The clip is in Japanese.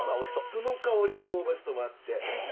その香り香ばしさもあって。